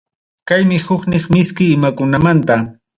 Kaymi huknin miski imakunamanta.